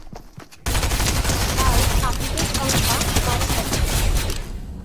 তার ছাত্রদের সংখ্যা সহস্রাধিক।